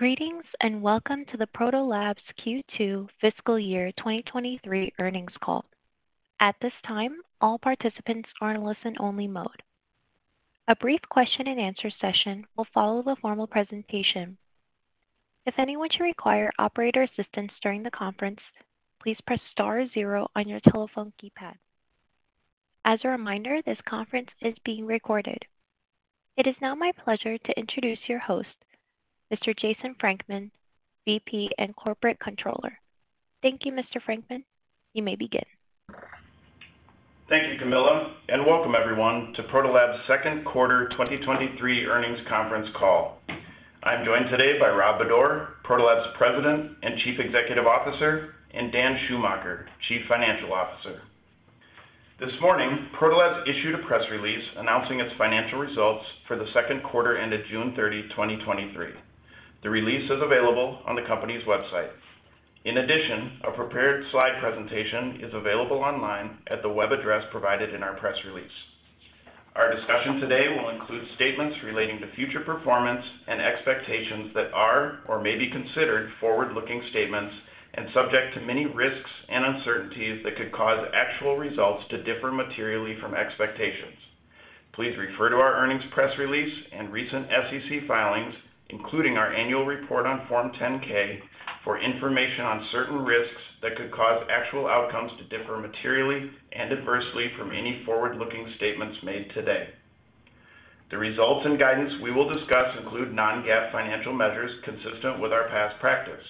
Greetings, welcome to the Protolabs Q2 Fiscal Year 2023 earnings call. At this time, all participants are in listen-only mode. A brief question and answer session will follow the formal presentation. If anyone should require operator assistance during the conference, please press star zero on your telephone keypad. As a reminder, this conference is being recorded. It is now my pleasure to introduce your host, Mr. Jason Frankman, VP and Corporate Controller. Thank you, Mr. Frankman. You may begin. Thank you, Camilla, welcome everyone to Protolabs Second Quarter 2023 earnings conference call. I'm joined today by Rob Bodor, Protolabs President and Chief Executive Officer, and Dan Schumacher, Chief Financial Officer. This morning, Protolabs issued a press release announcing its financial results for the second quarter ended June 30, 2023. The release is available on the company's website. A prepared slide presentation is available online at the web address provided in our press release. Our discussion today will include statements relating to future performance and expectations that are or may be considered forward-looking statements and subject to many risks and uncertainties that could cause actual results to differ materially from expectations. Please refer to our earnings press release and recent SEC filings, including our annual report on Form 10-K, for information on certain risks that could cause actual outcomes to differ materially and adversely from any forward-looking statements made today. The results and guidance we will discuss include non-GAAP financial measures consistent with our past practice.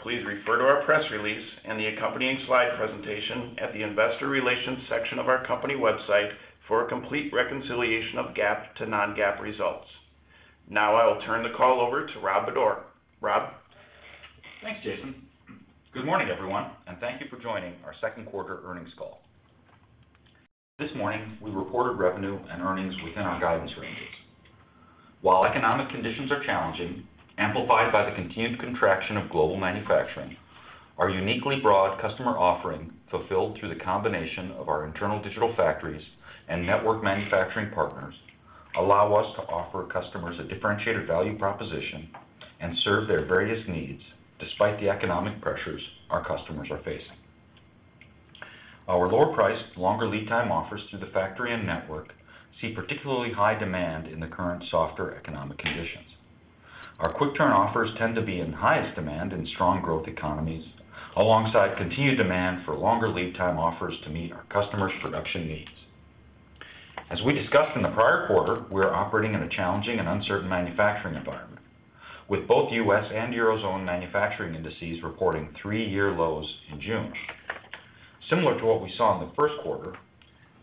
Please refer to our press release and the accompanying slide presentation at the investor relations section of our company website for a complete reconciliation of GAAP to non-GAAP results. I will turn the call over to Rob Bodor. Rob? Thanks, Jason. Good morning, everyone, and thank you for joining our Second Quarter earnings call. This morning, we reported revenue and earnings within our guidance ranges. While economic conditions are challenging, amplified by the continued contraction of global manufacturing, our uniquely broad customer offering, fulfilled through the combination of our internal digital factories and network manufacturing partners, allow us to offer customers a differentiated value proposition and serve their various needs despite the economic pressures our customers are facing. Our lower priced, longer lead time offers through the factory and network see particularly high demand in the current softer economic conditions. Our quick turn offers tend to be in highest demand in strong growth economies, alongside continued demand for longer lead time offers to meet our customers' production needs. As we discussed in the prior quarter, we are operating in a challenging and uncertain manufacturing environment, with both U.S. and Eurozone manufacturing indices reporting three-year lows in June. Similar to what we saw in the first quarter,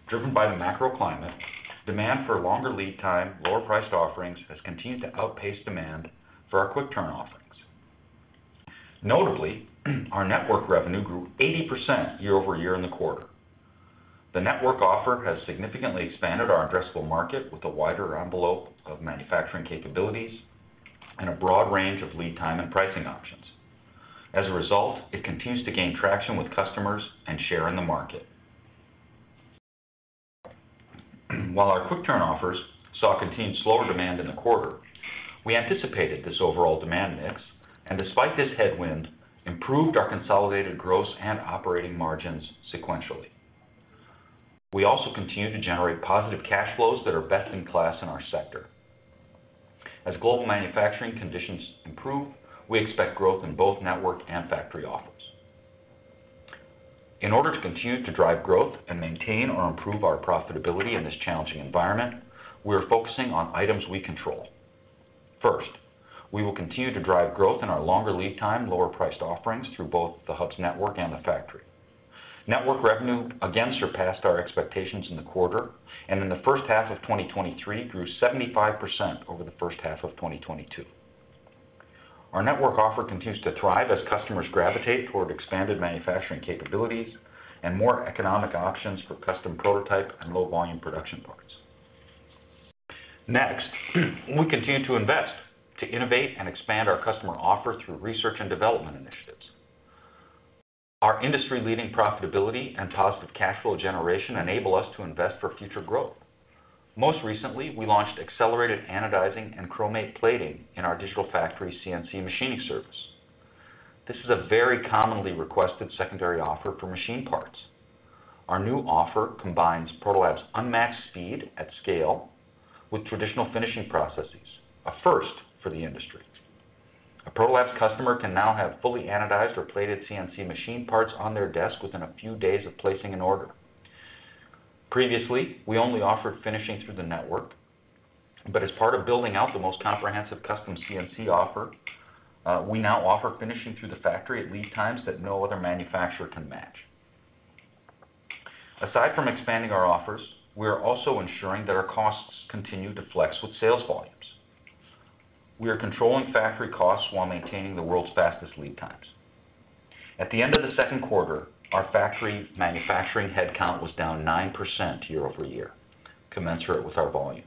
driven by the macro climate, demand for longer lead time, lower priced offerings has continued to outpace demand for our quick turn offerings. Notably, our network revenue grew 80% year-over-year in the quarter. The network offer has significantly expanded our addressable market with a wider envelope of manufacturing capabilities and a broad range of lead time and pricing options. As a result, it continues to gain traction with customers and share in the market. While our quick turn offers saw continued slower demand in the quarter, we anticipated this overall demand mix and despite this headwind, improved our consolidated gross and operating margins sequentially. We also continue to generate positive cash flows that are best in class in our sector. As global manufacturing conditions improve, we expect growth in both network and factory offers. In order to continue to drive growth and maintain or improve our profitability in this challenging environment, we are focusing on items we control. First, we will continue to drive growth in our longer lead time, lower priced offerings through both the Hubs network and the factory. Network revenue again surpassed our expectations in the quarter, and in the first half of 2023, grew 75% over the first half of 2022. Our network offer continues to thrive as customers gravitate toward expanded manufacturing capabilities and more economic options for custom prototype and low-volume production parts. Next, we continue to invest, to innovate and expand our customer offer through research and development initiatives. Our industry-leading profitability and positive cash flow generation enable us to invest for future growth. Most recently, we launched accelerated anodizing and chromate plating in our Digital Factory CNC machining service. This is a very commonly requested secondary offer for machine parts. Our new offer combines Protolabs unmatched speed at scale with traditional finishing processes, a first for the industry. A Protolabs customer can now have fully anodized or plated CNC machine parts on their desk within a few days of placing an order. Previously, we only offered finishing through the network, but as part of building out the most comprehensive custom CNC offer, we now offer finishing through the factory at lead times that no other manufacturer can match. Aside from expanding our offers, we are also ensuring that our costs continue to flex with sales volumes. We are controlling factory costs while maintaining the world's fastest lead times. At the end of the second quarter, our Factory manufacturing headcount was down 9% year-over-year, commensurate with our volumes.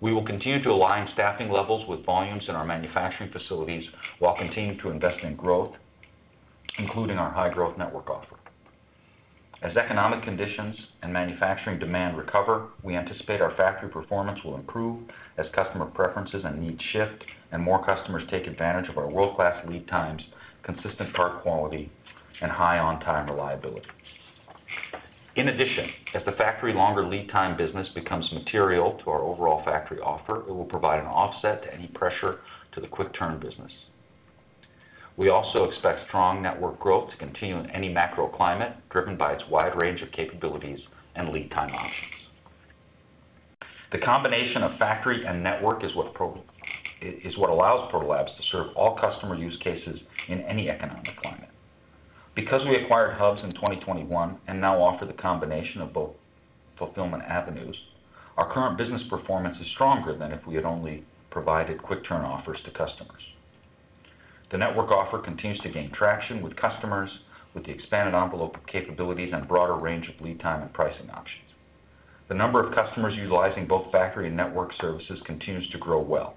We will continue to align staffing levels with volumes in our manufacturing facilities, while continuing to invest in growth, including our high-growth network offer. As economic conditions and manufacturing demand recover, we anticipate our Factory performance will improve as customer preferences and needs shift, and more customers take advantage of our world-class lead times, consistent part quality, and high on-time reliability. In addition, as the Factory longer lead time business becomes material to our overall factory offer, it will provide an offset to any pressure to the quick turn business. We also expect strong network growth to continue in any macro climate, driven by its wide range of capabilities and lead time options. The combination of factory and network is what allows Protolabs to serve all customer use cases in any economic climate. Because we acquired Hubs in 2021 and now offer the combination of both fulfillment avenues, our current business performance is stronger than if we had only provided quick turn offers to customers. The network offer continues to gain traction with customers, with the expanded envelope of capabilities and a broader range of lead time and pricing options. The number of customers utilizing both factory and network services continues to grow well.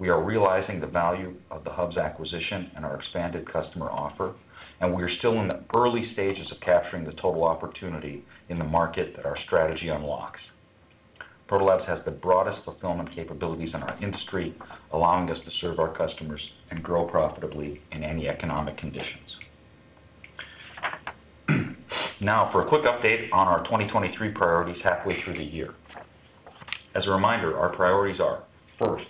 We are realizing the value of the Hubs acquisition and our expanded customer offer. We are still in the early stages of capturing the total opportunity in the market that our strategy unlocks. Protolabs has the broadest fulfillment capabilities in our industry, allowing us to serve our customers and grow profitably in any economic conditions. Now for a quick update on our 2023 priorities halfway through the year. As a reminder, our priorities are, first,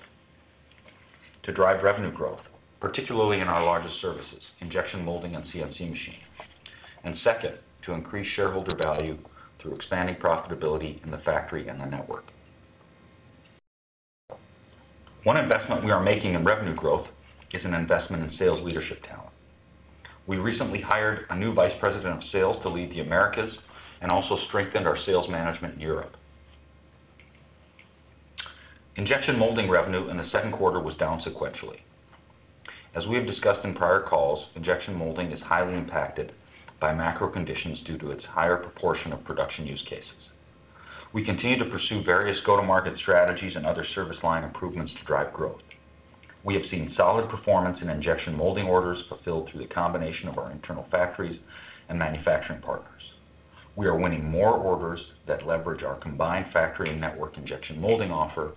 to drive revenue growth, particularly in our largest services, injection molding and CNC machining. Second, to increase shareholder value through expanding profitability in the factory and the network. One investment we are making in revenue growth is an investment in sales leadership talent. We recently hired a new vice president of sales to lead the Americas and also strengthened our sales management in Europe. Injection molding revenue in the second quarter was down sequentially. As we have discussed in prior calls, injection molding is highly impacted by macro conditions due to its higher proportion of production use cases. We continue to pursue various go-to-market strategies and other service line improvements to drive growth. We have seen solid performance in injection molding orders fulfilled through the combination of our internal factories and manufacturing partners. We are winning more orders that leverage our combined factory and network injection molding offer,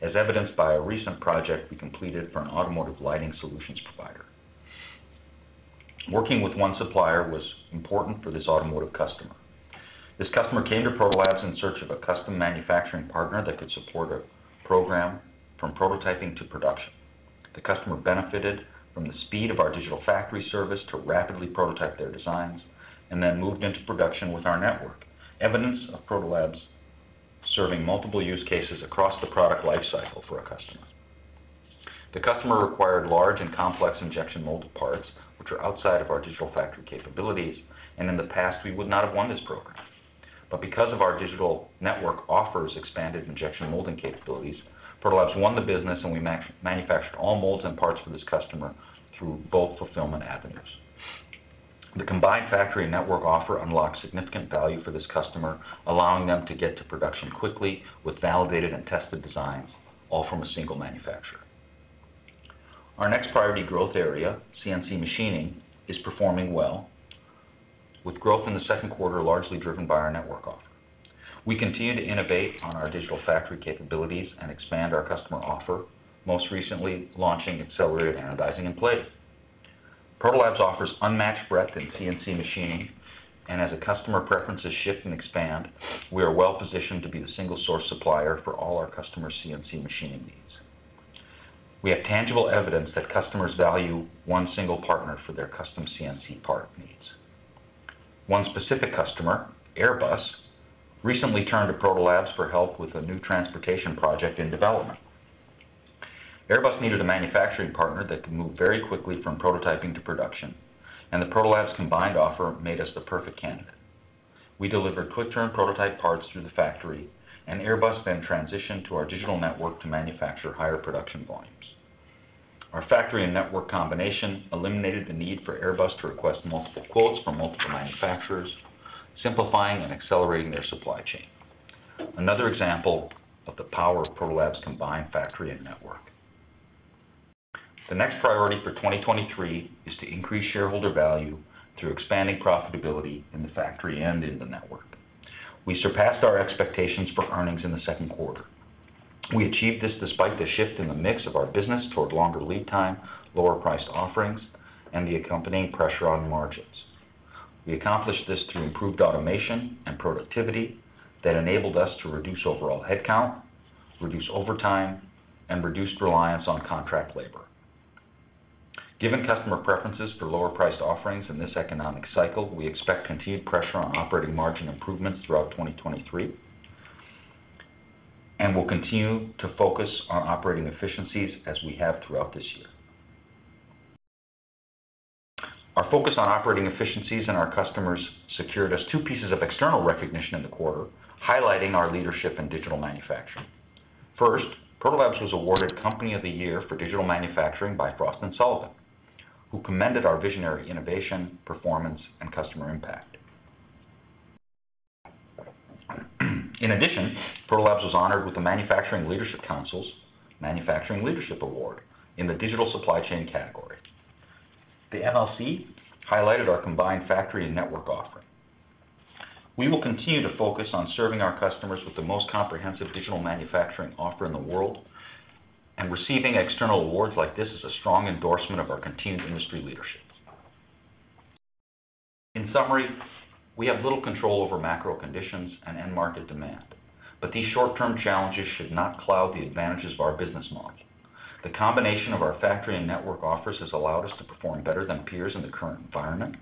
as evidenced by a recent project we completed for an automotive lighting solutions provider. Working with one supplier was important for this automotive customer. This customer came to Protolabs in search of a custom manufacturing partner that could support a program from prototyping to production. The customer benefited from the speed of our digital factory service to rapidly prototype their designs and then moved into production with our network. Evidence of Protolabs serving multiple use cases across the product life cycle for our customers. The customer required large and complex injection molded parts, which are outside of our digital factory capabilities. In the past, we would not have won this program. Because of our digital network offers expanded injection molding capabilities, Protolabs won the business, and we manufactured all molds and parts for this customer through both fulfillment avenues. The combined factory network offer unlocks significant value for this customer, allowing them to get to production quickly with validated and tested designs, all from a single manufacturer. Our next priority growth area, CNC machining, is performing well, with growth in the second quarter largely driven by our network offer. We continue to innovate on our digital factory capabilities and expand our customer offer, most recently launching accelerated anodizing and plating. Protolabs offers unmatched breadth in CNC machining. As the customer preferences shift and expand, we are well positioned to be the single source supplier for all our customers' CNC machining needs. We have tangible evidence that customers value one single partner for their custom CNC part needs. One specific customer, Airbus, recently turned to Protolabs for help with a new transportation project in development. Airbus needed a manufacturing partner that could move very quickly from prototyping to production. The Protolabs combined offer made us the perfect candidate. We delivered quick turn prototype parts through the factory. Airbus then transitioned to our digital network to manufacture higher production volumes. Our factory and network combination eliminated the need for Airbus to request multiple quotes from multiple manufacturers, simplifying and accelerating their supply chain. Another example of the power of Protolabs' combined factory and network. The next priority for 2023 is to increase shareholder value through expanding profitability in the factory and in the network. We surpassed our expectations for earnings in the second quarter. We achieved this despite the shift in the mix of our business toward longer lead time, lower priced offerings, and the accompanying pressure on margins. We accomplished this through improved automation and productivity that enabled us to reduce overall headcount, reduce overtime, and reduce reliance on contract labor. Given customer preferences for lower priced offerings in this economic cycle, we expect continued pressure on operating margin improvements throughout 2023, and we'll continue to focus on operating efficiencies as we have throughout this year. Our focus on operating efficiencies and our customers secured us two pieces of external recognition in the quarter, highlighting our leadership in digital manufacturing. First, Protolabs was awarded Company of the Year for digital manufacturing by Frost & Sullivan, who commended our visionary innovation, performance, and customer impact. In addition, Protolabs was honored with the Manufacturing Leadership Council's Manufacturing Leadership Award in the digital supply chain category. The MLC highlighted our combined factory and network offering. We will continue to focus on serving our customers with the most comprehensive digital manufacturing offer in the world, and receiving external awards like this is a strong endorsement of our continued industry leadership. In summary, we have little control over macro conditions and end market demand, but these short-term challenges should not cloud the advantages of our business model. The combination of our factory and network offers has allowed us to perform better than peers in the current environment,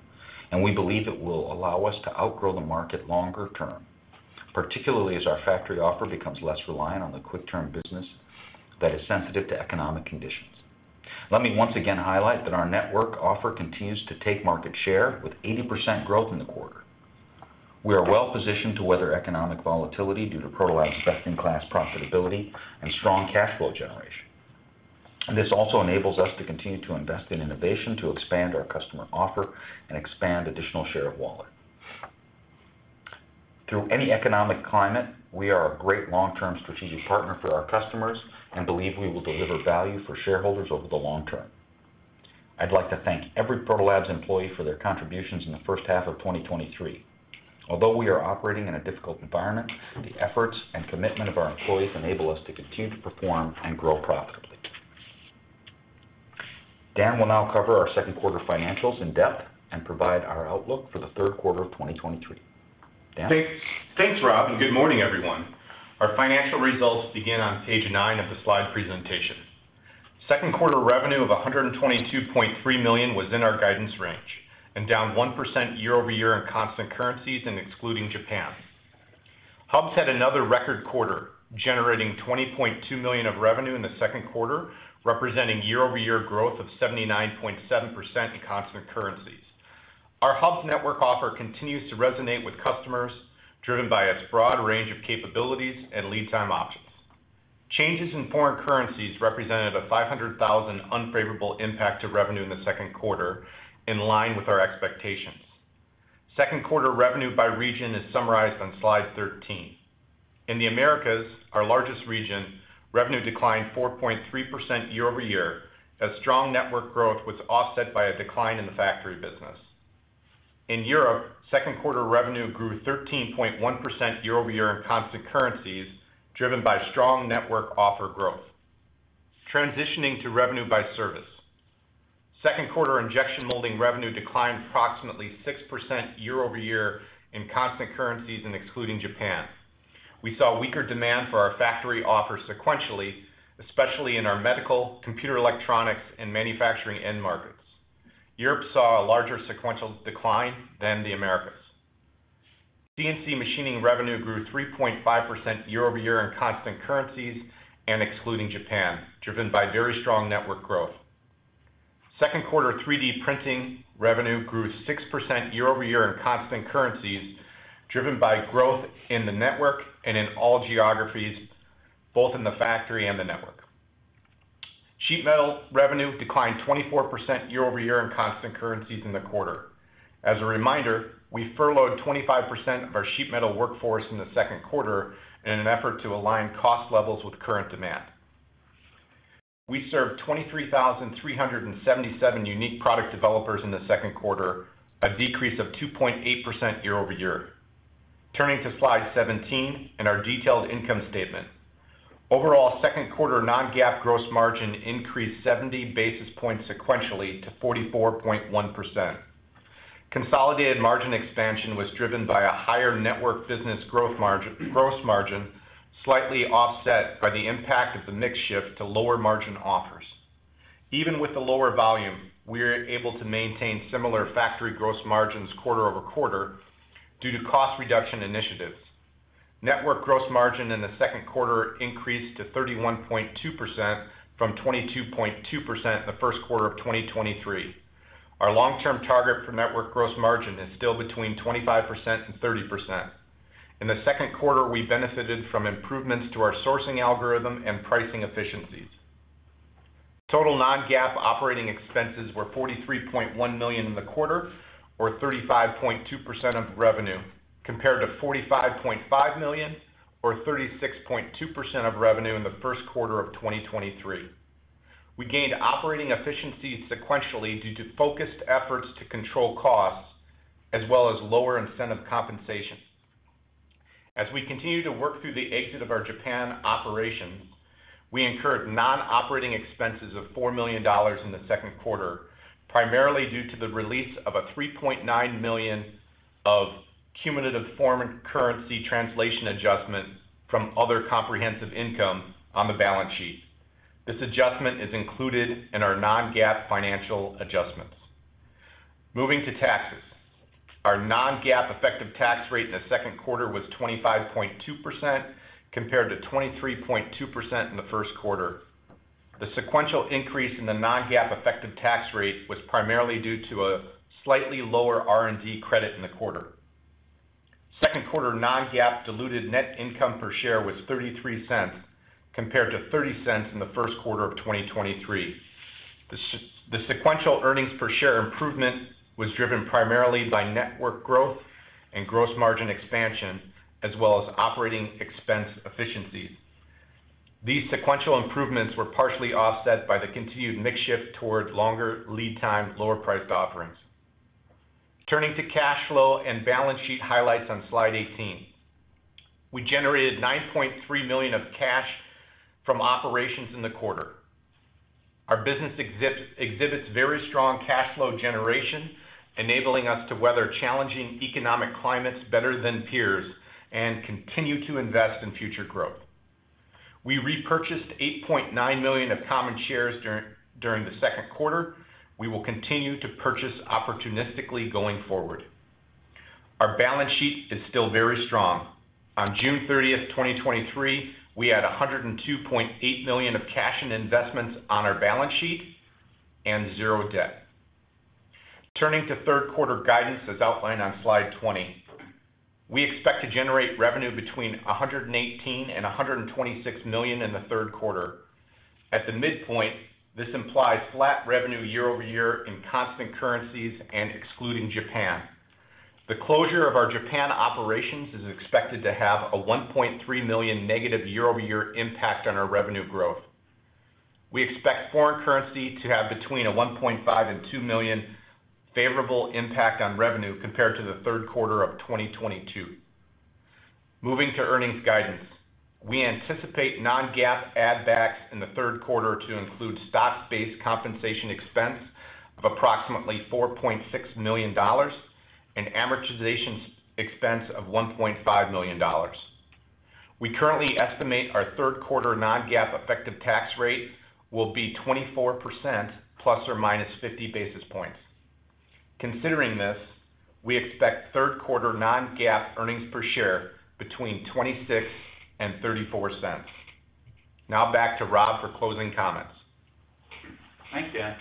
and we believe it will allow us to outgrow the market longer term, particularly as our factory offer becomes less reliant on the quick turn business that is sensitive to economic conditions. Let me once again highlight that our network offer continues to take market share with 80% growth in the quarter. We are well positioned to weather economic volatility due to Protolabs' best-in-class profitability and strong cash flow generation. This also enables us to continue to invest in innovation, to expand our customer offer and expand additional share of wallet. Through any economic climate, we are a great long-term strategic partner for our customers and believe we will deliver value for shareholders over the long term. I'd like to thank every Protolabs employee for their contributions in the first half of 2023. Although we are operating in a difficult environment, the efforts and commitment of our employees enable us to continue to perform and grow profitably. Dan will now cover our second quarter financials in depth and provide our outlook for the third quarter of 2023. Dan? Thanks, Rob, and good morning, everyone. Our financial results begin on page 9 of the slide presentation. Second quarter revenue of $122.3 million was in our guidance range and down 1% year-over-year in constant currencies and excluding Japan. Hubs had another record quarter, generating $20.2 million of revenue in the second quarter, representing year-over-year growth of 79.7% in constant currencies. Our Hubs network offer continues to resonate with customers, driven by its broad range of capabilities and lead time options. Changes in foreign currencies represented a $500,000 unfavorable impact to revenue in the second quarter, in line with our expectations. Second quarter revenue by region is summarized on slide 13. In the Americas, our largest region, revenue declined 4.3% year-over-year, as strong network growth was offset by a decline in the factory business. In Europe, second quarter revenue grew 13.1% year-over-year in constant currencies, driven by strong network offer growth. Transitioning to revenue by service. Second quarter injection molding revenue declined approximately 6% year-over-year in constant currencies and excluding Japan. We saw weaker demand for our factory offer sequentially, especially in our medical, computer, electronics, and manufacturing end markets. Europe saw a larger sequential decline than the Americas. CNC machining revenue grew 3.5% year-over-year in constant currencies and excluding Japan, driven by very strong network growth. Second quarter 3D printing revenue grew 6% year-over-year in constant currencies, driven by growth in the network and in all geographies, both in the factory and the network. Sheet metal revenue declined 24% year-over-year in constant currencies in the quarter. As a reminder, we furloughed 25% of our sheet metal workforce in the second quarter in an effort to align cost levels with current demand. We served 23,377 unique product developers in the second quarter, a decrease of 2.8% year-over-year. Turning to slide 17 and our detailed income statement. Overall, second quarter non-GAAP gross margin increased 70 basis points sequentially to 44.1%. Consolidated margin expansion was driven by a higher network business gross margin, slightly offset by the impact of the mix shift to lower margin offers. Even with the lower volume, we are able to maintain similar factory gross margins quarter-over-quarter due to cost reduction initiatives. Network gross margin in the second quarter increased to 31.2% from 22.2% in the first quarter of 2023. Our long-term target for network gross margin is still between 25% and 30%. In the second quarter, we benefited from improvements to our sourcing algorithm and pricing efficiencies. Total non-GAAP operating expenses were $43.1 million in the quarter, or 35.2% of revenue, compared to $45.5 million, or 36.2% of revenue in the first quarter of 2023. We gained operating efficiencies sequentially due to focused efforts to control costs, as well as lower incentive compensation. As we continue to work through the exit of our Japan operations, we incurred non-operating expenses of $4 million in the second quarter, primarily due to the release of a $3.9 million of cumulative foreign currency translation adjustments from other comprehensive income on the balance sheet. This adjustment is included in our non-GAAP financial adjustments. Moving to taxes. Our non-GAAP effective tax rate in the second quarter was 25.2%, compared to 23.2% in the first quarter. The sequential increase in the non-GAAP effective tax rate was primarily due to a slightly lower R&D credit in the quarter. Second quarter non-GAAP diluted net income per share was $0.33, compared to $0.30 in the first quarter of 2023. The sequential earnings per share improvement was driven primarily by network growth and gross margin expansion, as well as operating expense efficiencies. These sequential improvements were partially offset by the continued mix shift toward longer lead time, lower-priced offerings. Turning to cash flow and balance sheet highlights on slide 18. We generated $9.3 million of cash from operations in the quarter. Our business exhibits very strong cash flow generation, enabling us to weather challenging economic climates better than peers and continue to invest in future growth. We repurchased $8.9 million of common shares during the second quarter. We will continue to purchase opportunistically going forward. Our balance sheet is still very strong. On June 30th, 2023, we had $102.8 million of cash and investments on our balance sheet and zero debt. Turning to third quarter guidance, as outlined on slide 20. We expect to generate revenue between $118 million and $126 million in the third quarter. At the midpoint, this implies flat revenue year-over-year in constant currencies and excluding Japan. The closure of our Japan operations is expected to have a $1.3 million negative year-over-year impact on our revenue growth. We expect foreign currency to have between a $1.5 million and $2 million favorable impact on revenue compared to the third quarter of 2022. Moving to earnings guidance. We anticipate non-GAAP add backs in the third quarter to include stock-based compensation expense of approximately $4.6 million and amortization expense of $1.5 million. We currently estimate our third quarter non-GAAP effective tax rate will be 24%, ±50 basis points. Considering this, we expect third quarter non-GAAP earnings per share between $0.26 and $0.34. Now back to Rob for closing comments. Thanks, Dan.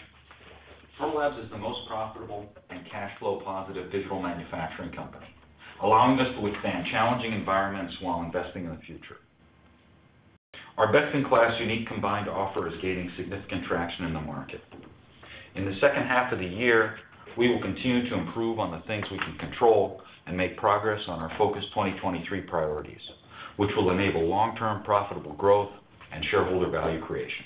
Protolabs is the most profitable and cash flow positive digital manufacturing company, allowing us to withstand challenging environments while investing in the future. Our best-in-class unique combined offer is gaining significant traction in the market. In the second half of the year, we will continue to improve on the things we can control and make progress on our Focus 2023 priorities, which will enable long-term profitable growth and shareholder value creation.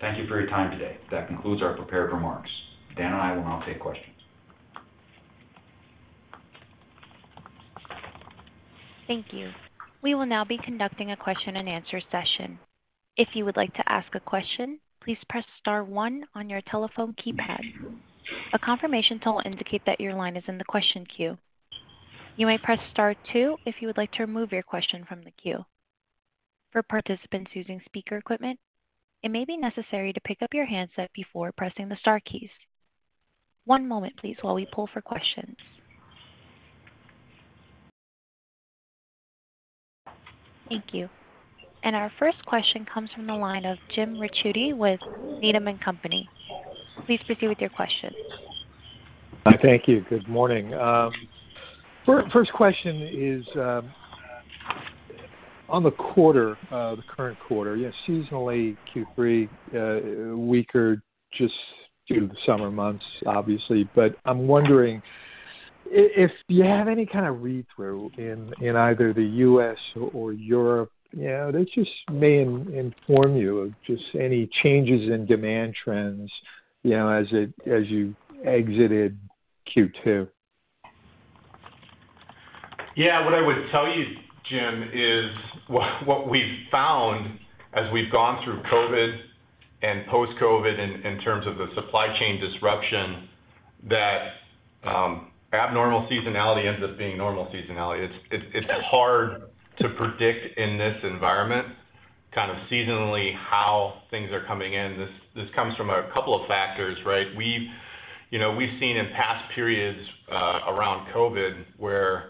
Thank you for your time today. That concludes our prepared remarks. Dan and I will now take questions. Thank you. We will now be conducting a question-and-answer session. If you would like to ask a question, please press star one on your telephone keypad. A confirmation tone will indicate that your line is in the question queue. You may press star two if you would like to remove your question from the queue. For participants using speaker equipment, it may be necessary to pick up your handset before pressing the star keys. One moment, please, while we pull for questions. Thank you. Our first question comes from the line of Jim Ricchiuti with Needham & Company. Please proceed with your question. Hi. Thank you. Good morning. First, first question is, on the quarter, the current quarter, yeah, seasonally, Q3, weaker just due to the summer months, obviously. I'm wondering if you have any kind of read-through in, in either the U.S. or Europe, you know, that just may inform you of just any changes in demand trends, you know, as you exited Q2? Yeah, what I would tell you, Jim, is what we've found as we've gone through COVID and post-COVID in, in terms of the supply chain disruption, that abnormal seasonality ends up being normal seasonality. It's, it's, it's hard to predict in this environment, kind of seasonally, how things are coming in. This, this comes from a couple of factors, right? We've. You know, we've seen in past periods, around COVID, where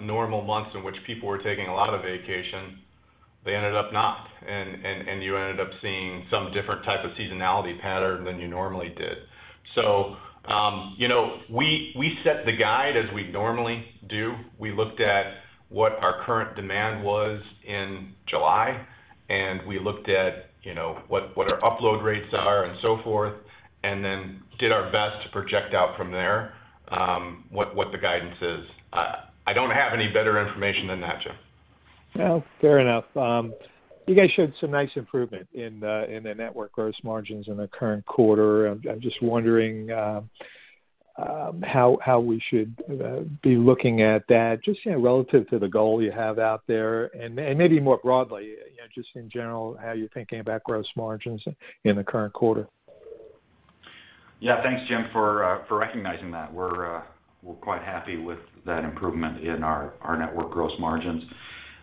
normal months in which people were taking a lot of vacation, they ended up not, and, and, and you ended up seeing some different type of seasonality pattern than you normally did. You know, we, we set the guide as we normally do. We looked at what our current demand was in July, and we looked at, you know, what, what our upload rates are and so forth, and then did our best to project out from there, what, what the guidance is. I don't have any better information than that, Jim. Well, fair enough. You guys showed some nice improvement in the network gross margins in the current quarter. I'm just wondering, how we should be looking at that, just, you know, relative to the goal you have out there. Maybe more broadly, you know, just in general, how you're thinking about gross margins in the current quarter. Yeah. Thanks, Jim, for recognizing that. We're, we're quite happy with that improvement in our, our network gross margins,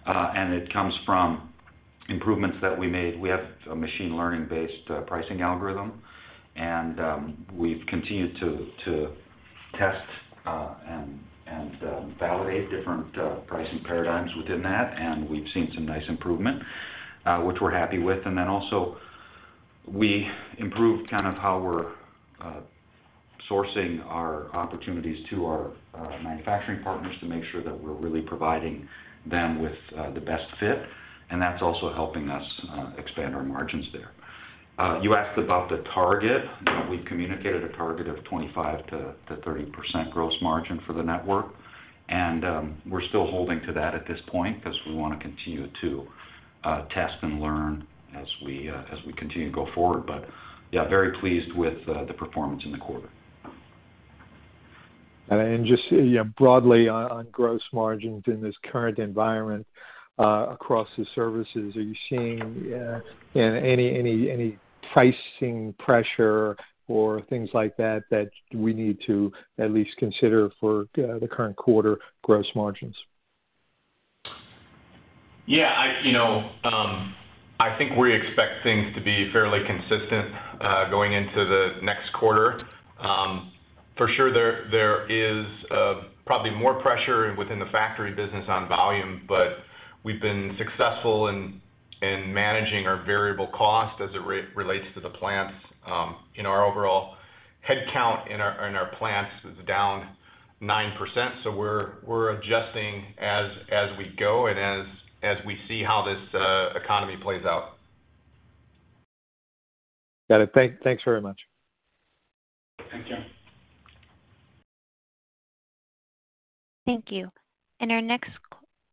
and it comes from improvements that we made. We have a machine learning-based pricing algorithm, and we've continued to, to test, and, and validate different pricing paradigms within that, and we've seen some nice improvement, which we're happy with. Then also we improved kind of how we're sourcing our opportunities to our manufacturing partners to make sure that we're really providing them with the best fit, and that's also helping us expand our margins there. You asked about the target. We've communicated a target of 25%-30% gross margin for the network, and we're still holding to that at this point, because we wanna continue to test and learn as we as we continue to go forward. Yeah, very pleased with the performance in the quarter. Just, you know, broadly on, on gross margins in this current environment, across the services, are you seeing any, any, any pricing pressure or things like that, that we need to at least consider for the current quarter gross margins? Yeah, I, you know, I think we expect things to be fairly consistent going into the next quarter. For sure, there, there is probably more pressure within the factory business on volume, but we've been successful in managing our variable cost as it relates to the plants. In our overall headcount in our plants is down 9%, so we're adjusting as we go and as we see how this economy plays out. Got it. Thank- thanks very much. Thank you. Thank you. Our next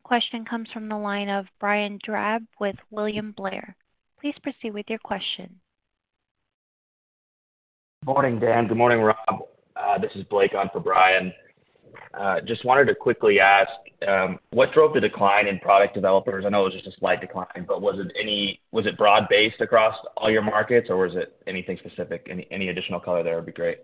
question comes from the line of Brian Drab with William Blair. Please proceed with your question. Morning, Dan. Good morning, Rob. This is Blake on for Brian. Just wanted to quickly ask, what drove the decline in product developers? I know it was just a slight decline, but was it any-- was it broad-based across all your markets, or was it anything specific? Any, any additional color there would be great.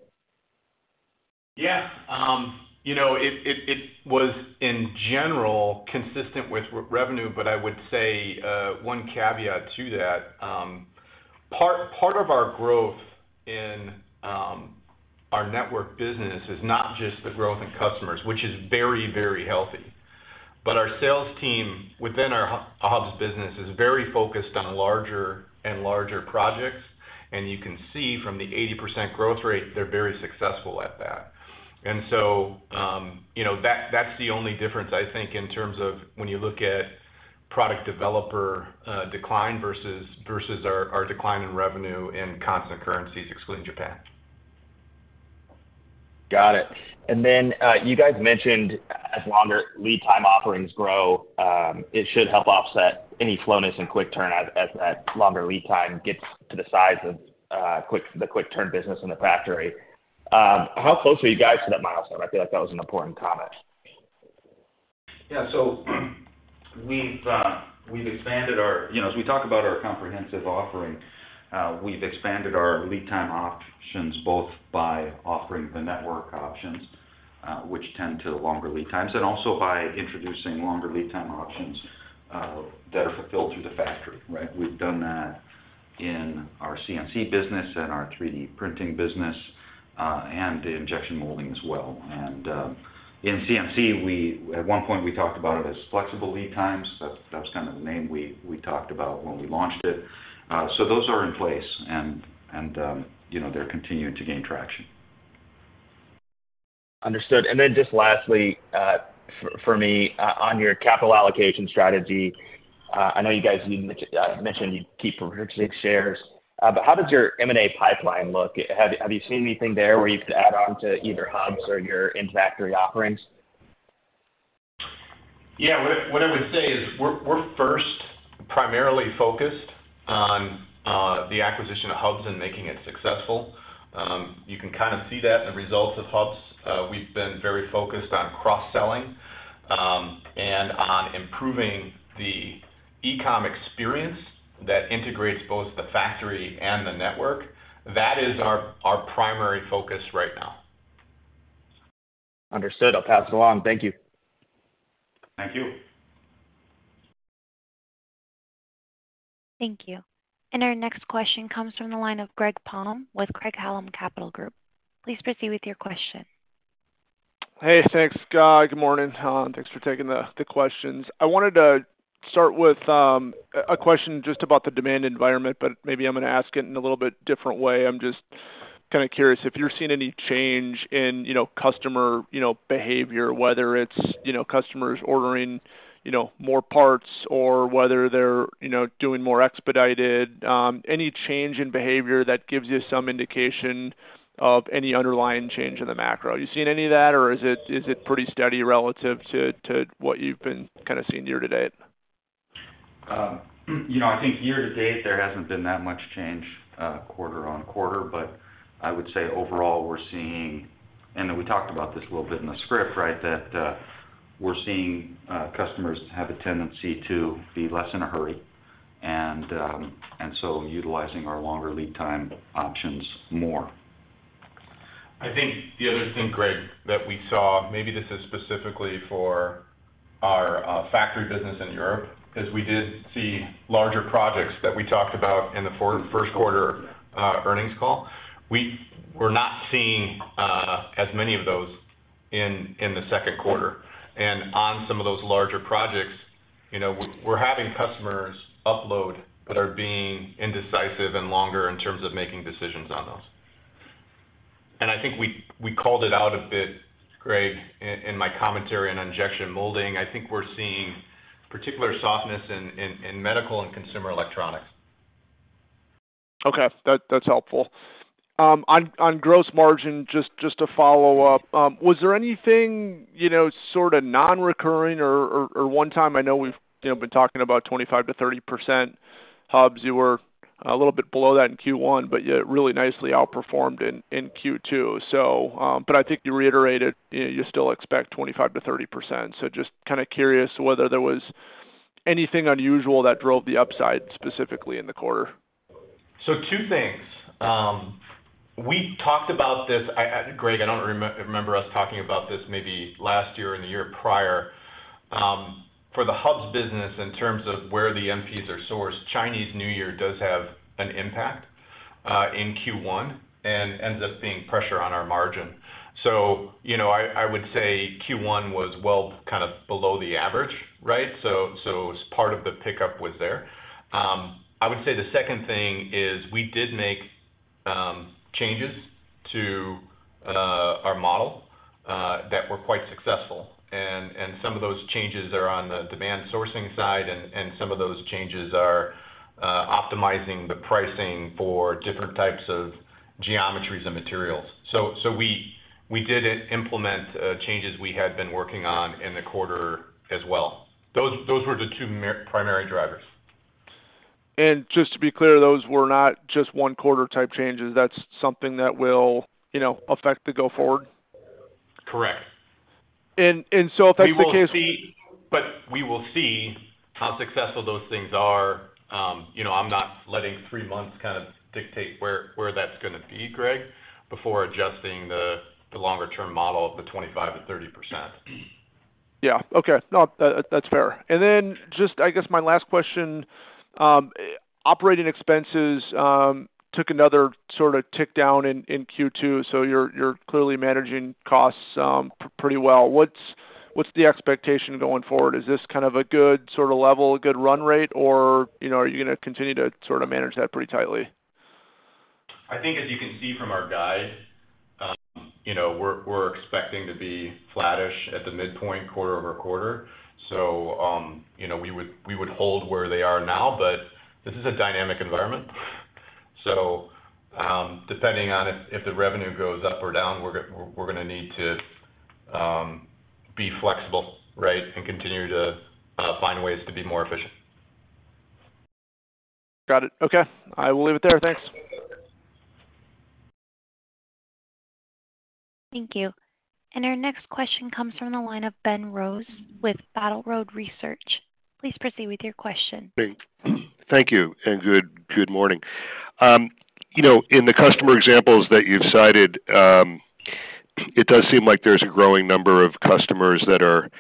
Yeah. You know, it, it, it was, in general, consistent with revenue, but I would say, one caveat to that. Part of our growth in our network business is not just the growth in customers, which is very, very healthy. Our sales team within our Hubs business is very focused on larger and larger projects, and you can see from the 80% growth rate, they're very successful at that. You know, that's the only difference, I think, in terms of when you look at product developer decline versus our, our decline in revenue in constant currencies, excluding Japan. Got it. You guys mentioned as longer lead time offerings grow, it should help offset any slowness and quick turn as that longer lead time gets to the size of the quick turn business in the factory. How close are you guys to that milestone? I feel like that was an important comment. We've expanded our... You know, as we talk about our comprehensive offering, we've expanded our lead time options, both by offering the network options, which tend to longer lead times, and also by introducing longer lead time options, that are fulfilled through the factory, right? We've done that in our CNC business and our 3D printing business, and the injection molding as well. In CNC, at one point, we talked about it as Flexible Lead Times. That, that was kind of the name we, we talked about when we launched it. Those are in place and, and, you know, they're continuing to gain traction. Understood. Then just lastly, for, for me, on your capital allocation strategy, I know you guys, you mentioned you keep purchasing shares, but how does your M&A pipeline look? Have, have you seen anything there where you've to add on to either Hubs or your in-factory offerings? Yeah, what I, what I would say is, we're, we're first primarily focused on the acquisition of Hubs and making it successful. You can kind of see that in the results of Hubs. We've been very focused on cross-selling and on improving the e-commerce experience that integrates both the factory and the network. That is our, our primary focus right now. Understood. I'll pass it along. Thank you. Thank you. Thank you. Our next question comes from the line of Greg Palm with Craig-Hallum Capital Group. Please proceed with your question. Hey, thanks, guy. Good morning, and thanks for taking the questions. I wanted to start with a question just about the demand environment, but maybe I'm gonna ask it in a little bit different way. I'm just kind of curious if you're seeing any change in, you know, customer, you know, behavior, whether it's, you know, customers ordering, you know, more parts or whether they're, you know, doing more expedited, any change in behavior that gives you some indication of any underlying change in the macro. Have you seen any of that, or is it pretty steady relative to what you've been kind of seeing year to date? you know, I think year to date, there hasn't been that much change, quarter on quarter, but I would say overall, we're seeing... We talked about this a little bit in the script, right? That, we're seeing, customers have a tendency to be less in a hurry, and, so utilizing our longer lead time options more. I think the other thing, Greg, that we saw, maybe this is specifically for our factory business in Europe, is we did see larger projects that we talked about in the first quarter earnings call. We were not seeing as many of those in the second quarter. On some of those larger projects, you know, we're having customers upload that are being indecisive and longer in terms of making decisions on those. I think we, we called it out a bit, Greg, in my commentary on injection molding. I think we're seeing particular softness in medical and consumer electronics. Okay. That, that's helpful. On gross margin, just, just to follow up, was there anything, you know, sort of nonrecurring or, or, or one-time? I know we've, you know, been talking about 25%-30%. Hubs, you were a little bit below that in Q1, but yet really nicely outperformed in, in Q2. But I think you reiterated, you know, you still expect 25%-30%. Just kinda curious whether there was anything unusual that drove the upside, specifically in the quarter. Two things. We talked about this, I, Greg, I don't remember us talking about this maybe last year or the year prior. For the Hubs business, in terms of where the MPs are sourced, Chinese New Year does have an impact in Q1 and ends up being pressure on our margin. You know, I, I would say Q1 was well, kind of below the average, right? Part of the pickup was there. I would say the second thing is we did make changes to our model that were quite successful, and some of those changes are on the demand sourcing side, and some of those changes are optimizing the pricing for different types of geometries and materials. We did implement changes we had been working on in the quarter as well. Those were the two primary drivers. Just to be clear, those were not just one-quarter type changes, that's something that will, you know, affect the go forward? Correct. And so if that's the case... We will see. We will see how successful those things are. You know, I'm not letting three months kind of dictate where, where that's gonna be, Greg, before adjusting the, the longer-term model of the 25%-30%. Yeah. Okay. No, that, that's fair. Then just, I guess, my last question, operating expenses, took another sort of tick down in Q2, so you're, you're clearly managing costs, pretty well. What's, what's the expectation going forward? Is this kind of a good sort of level, a good run rate, or, you know, are you gonna continue to sort of manage that pretty tightly? I think, as you can see from our guide, you know, we're, we're expecting to be flattish at the midpoint quarter-over-quarter. You know, we would, we would hold where they are now, but this is a dynamic environment. Depending on if, if the revenue goes up or down, we're gonna need to be flexible, right? Continue to find ways to be more efficient. Got it. Okay. I will leave it there. Thanks. Thank you. Our next question comes from the line of Ben Rose with Battle Road Research. Please proceed with your question. Thank you. Good, good morning. You know, in the customer examples that you've cited, it does seem like there's a growing number of customers that are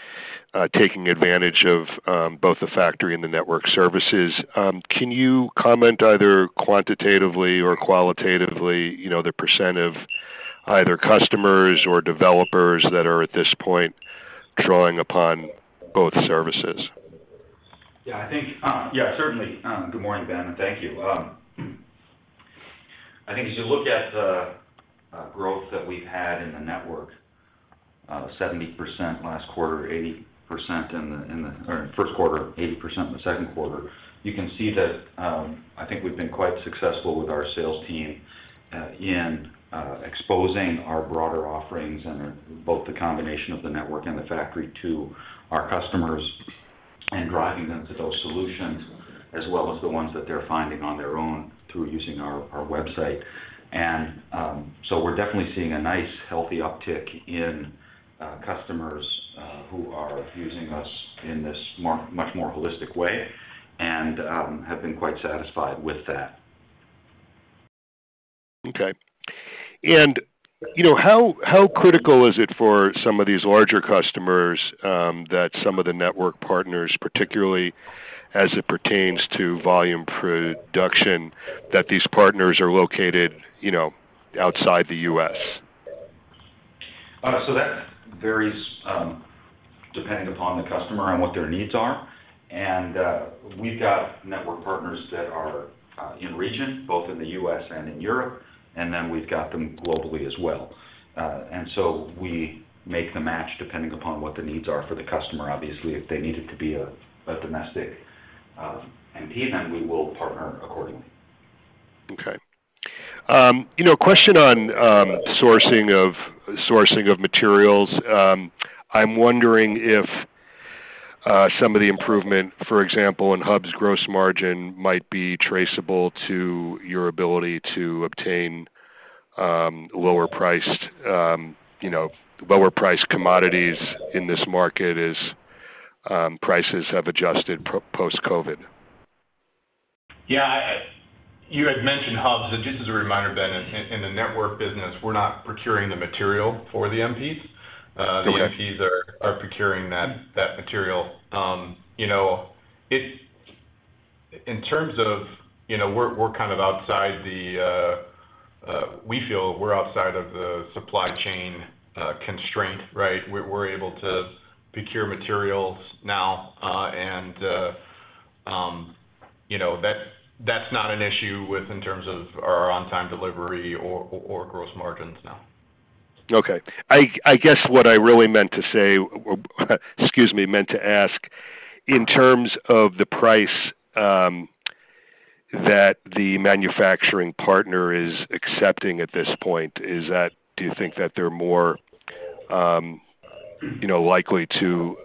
taking advantage of both the factory and the network services. Can you comment either quantitatively or qualitatively, you know, the % of either customers or developers that are, at this point, drawing upon both services? Yeah, I think. Yeah, certainly. Good morning, Ben, and thank you. I think as you look at the growth that we've had in the network, 70% last quarter, 80% in the first quarter, 80% in the second quarter. You can see that, I think we've been quite successful with our sales team, in exposing our broader offerings and both the combination of the network and the factory to our customers, and driving them to those solutions, as well as the ones that they're finding on their own through using our, our website. So we're definitely seeing a nice, healthy uptick in customers, who are using us in this more, much more holistic way and have been quite satisfied with that. Okay. You know, how, how critical is it for some of these larger customers, that some of the network partners, particularly as it pertains to volume production, that these partners are located, you know, outside the U.S.? That varies, depending upon the customer and what their needs are. We've got network partners that are in region, both in the U.S. and in Europe, and then we've got them globally as well. We make the match depending upon what the needs are for the customer. Obviously, if they need it to be a, a domestic MP, then we will partner accordingly. Okay. You know, question on sourcing of materials. I'm wondering if some of the improvement, for example, in Hubs gross margin, might be traceable to your ability to obtain, you know, lower priced commodities in this market as prices have adjusted post-COVID. Yeah. Just as a reminder, Ben, in, in the network business, we're not procuring the material for the MPs. Right. The MPs are procuring that, that material. You know, in terms of, you know, we're, we're kind of outside the, we feel we're outside of the supply chain constraint, right? We're, we're able to procure materials now, and, you know, that's, that's not an issue with in terms of our on-time delivery or, or gross margins now. Okay. I, I guess what I really meant to say, excuse me, meant to ask, in terms of the price, that the manufacturing partner is accepting at this point, do you think that they're more, you know, likely to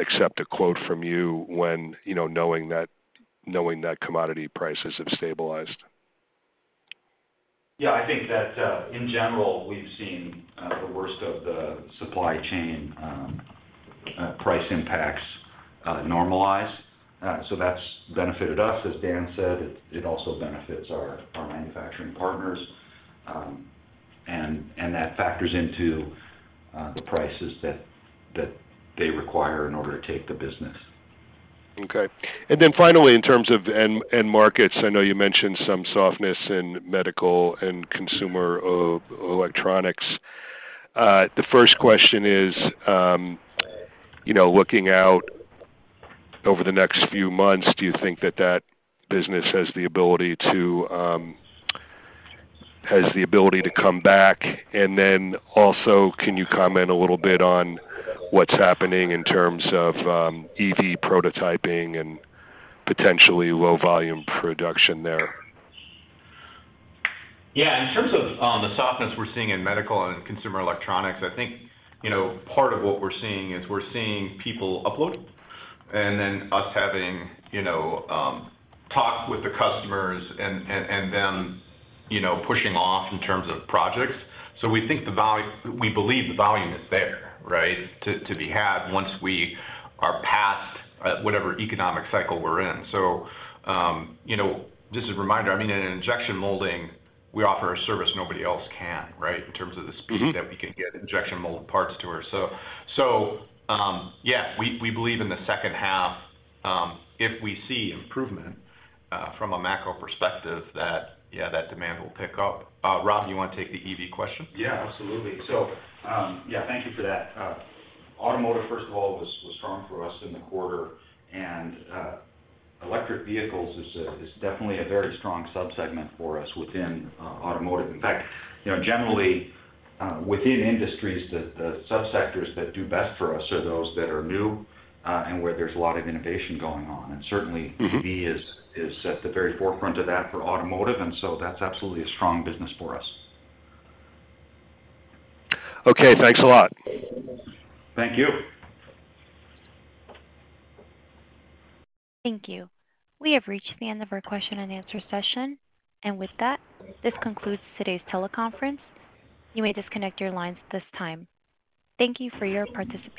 accept a quote from you when, you know, knowing that, knowing that commodity prices have stabilized? Yeah, I think that, in general, we've seen, the worst of the supply chain, price impacts, normalize. That's benefited us. As Dan said, it, it also benefits our, our manufacturing partners. And that factors into, the prices that, that they require in order to take the business. Okay. Then finally, in terms of end, end markets, I know you mentioned some softness in medical and consumer electronics. The first question is, you know, looking out over the next few months, do you think that that business has the ability to, has the ability to come back? Then also, can you comment a little bit on what's happening in terms of EV prototyping and potentially low volume production there? Yeah. In terms of the softness we're seeing in medical and consumer electronics, I think, you know, part of what we're seeing is we're seeing people uploading, and then us having, you know, talks with the customers and them, you know, pushing off in terms of projects. We think the volume... We believe the volume is there, right, to, to be had once we are past whatever economic cycle we're in. You know, just a reminder, I mean, in injection molding, we offer a service nobody else can, right? In terms of the speed that we can get injection molded parts to her. Yeah, we, we believe in the second half, if we see improvement from a macro perspective, that, yeah, that demand will pick up. Rob, you want to take the EV question? Yeah, absolutely. Yeah, thank you for that. Automotive, first of all, was, was strong for us in the quarter, electric vehicles is a, is definitely a very strong sub-segment for us within automotive. In fact, you know, generally, within industries, the, the sub-sectors that do best for us are those that are new, and where there's a lot of innovation going on. Mm-hmm. Certainly, EV is, is at the very forefront of that for automotive, and so that's absolutely a strong business for us. Okay, thanks a lot. Thank you. Thank you. We have reached the end of our question and answer session, and with that, this concludes today's teleconference. You may disconnect your lines at this time. Thank you for your participation.